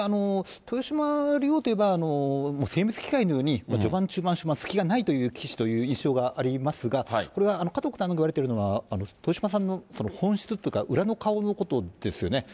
豊島竜王といえば、もう精密機械のように、序盤、中盤、終盤、隙がないという棋士という印象がありますが、これは加藤九段が言われているのは、豊島さんの本質というか、裏の顔のことですよね。